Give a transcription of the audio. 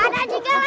ada anjing galah